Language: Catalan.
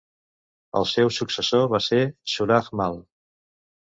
El seu successor va ser Suraj Mal.